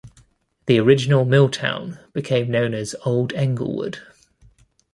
The original milltown became known as "Old Englewood".